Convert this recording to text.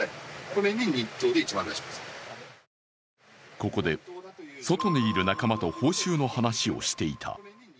ここで外にいる仲間と報酬の話をしていた。